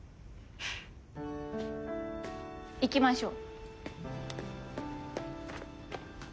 行きましょう。